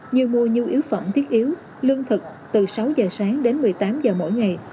như mua nhu yếu phẩm thiết yếu lương thực từ sáu giờ sáng đến một mươi tám giờ mỗi ngày